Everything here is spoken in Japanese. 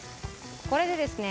これでですね